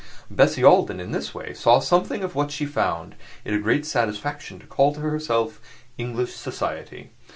Bessie Alden, in this way, saw something of what she found it a great satisfaction to call to herself English society.